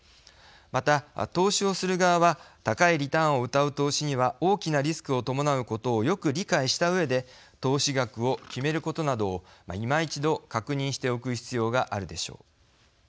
また、投資をする側は高いリターンをうたう投資には大きなリスクを伴うことをよく理解したうえで投資額を決めることなどを今一度確認しておく必要があるでしょう。